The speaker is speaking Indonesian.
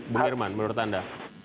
bu herman menurut anda